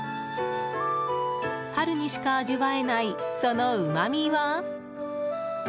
春にしか味わえないそのうまみは。